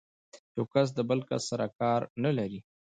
یو کس د بل کس سره کار نه لري.